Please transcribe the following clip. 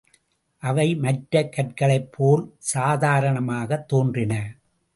அவை, மற்ற கற்களைப்போல் சாதாரணமாகத் தோன்றின.